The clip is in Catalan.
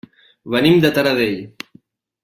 Venim de Taradell.